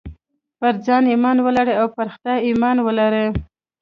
پر ځان ايمان ولرئ او پر خدای ايمان ولرئ.